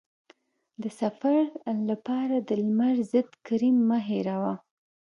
د سفر لپاره د لمر ضد کریم مه هېروه.